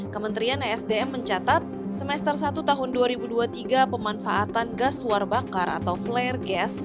kementerian esdm mencatat semester satu tahun dua ribu dua puluh tiga pemanfaatan gas suar bakar atau flare gas